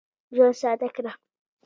ژوند ساده کړه.